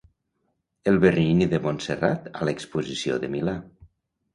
El Bernini de Montserrat a l'exposició de Milà.